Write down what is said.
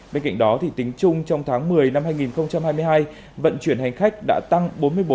bên cạnh đó tính chung trong tháng một mươi năm hai nghìn hai mươi hai vận chuyển hành khách đã tăng bốn mươi bốn